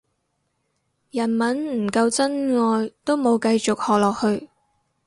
日文唔夠真愛都冇繼續學落去